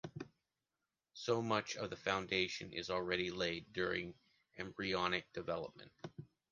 So much of the foundation is already laid during embryonic development.